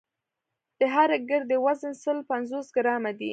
د هرې ګردې وزن سل پنځوس ګرامه دی.